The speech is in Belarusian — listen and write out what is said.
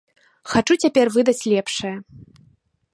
Хачу цяпер выдаць лепшае.